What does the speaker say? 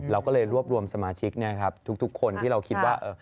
เราก็เลยรวบรวมสมาชิกทุกคนที่เราคิดว่า